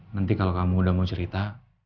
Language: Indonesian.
nanti kalau kamu udah mau cerita